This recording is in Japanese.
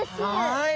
はい。